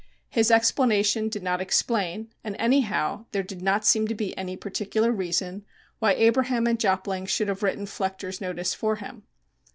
His explanation did not explain, and, anyhow, there did not seem to be any particular reason why Abraham and Jopling should have written Flechter's notice for him.